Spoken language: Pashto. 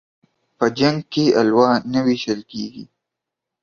په جنگ کې الوا نه ويشل کېږي.